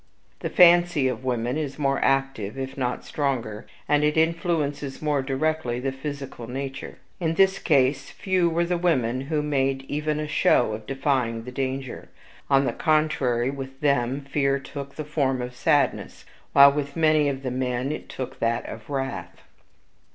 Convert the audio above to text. The fancy of women is more active, if not stronger, and it influences more directly the physical nature. In this case few were the women who made even a show of defying the danger. On the contrary, with THEM fear took the form of sadness, while with many of the men it took that of wrath.